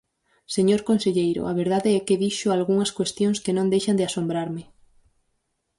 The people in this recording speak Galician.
Señor conselleiro, a verdade é que dixo algunhas cuestións que non deixan de asombrarme.